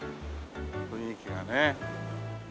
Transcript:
雰囲気がね。